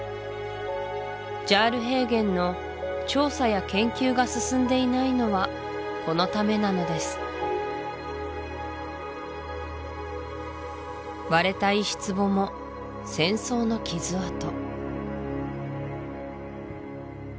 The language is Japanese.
ジャール平原の調査や研究が進んでいないのはこのためなのです割れた石壺も戦争の傷痕